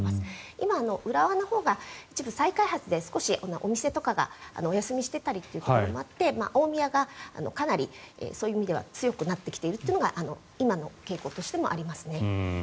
今、浦和のほうが一部再開発でお店とかがお休みしてたりということもあって大宮がそういう意味では強くなってきているというのが今の傾向としてもありますね。